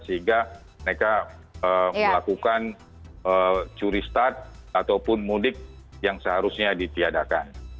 sehingga mereka melakukan curi start ataupun mudik yang seharusnya ditiadakan